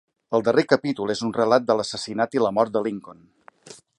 El darrer capítol és un relat de l'assassinat i la mort de Lincoln.